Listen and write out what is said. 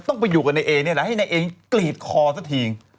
ต้องไปอยู่กับนายเอนี่แหละให้นายเอกลีดคอสักที